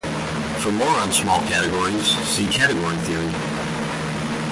For more on small categories, see Category theory.